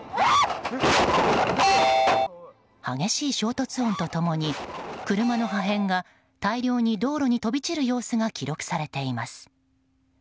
激しい衝突音と共に車の破片が大量に道路に飛び散る様子が記録されています。